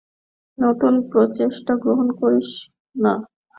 নতুন প্রস্তাবটা গ্রহণ করিস না।